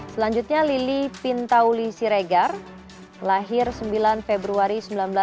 selanjutnya lili pintauli siregar lahir sembilan februari seribu sembilan ratus sembilan puluh